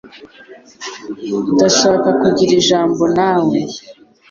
Ndashaka kugira ijambo nawe.